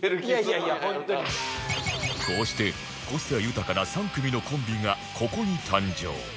こうして個性豊かな３組のコンビがここに誕生